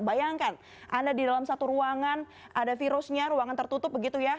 bayangkan anda di dalam satu ruangan ada virusnya ruangan tertutup begitu ya